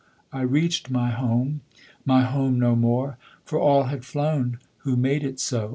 I reach'd my home my home no more For all had flown who made it so.